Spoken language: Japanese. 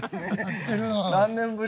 何年ぶり？